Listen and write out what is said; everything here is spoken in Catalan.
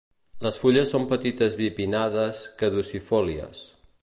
Les fulles són petites bipinnades, caducifòlies.